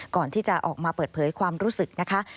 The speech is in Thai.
ก่อนที่จะออกมาเปิดเผยความรู้สึกนะคะ